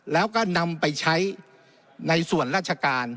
แล้วก็นำไปใช้ในส่วนราชการ